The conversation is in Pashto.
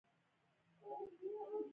ایا په رستورانت کې ډوډۍ خورئ؟